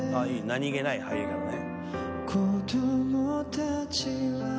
何気ない入りがね。